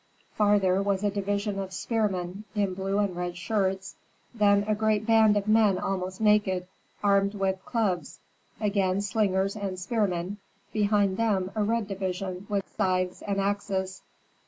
Farther was a division of spearmen in blue and red shirts, then a great band of men almost naked, armed with clubs, again slingers and spearmen, behind them a red division with scythes and axes.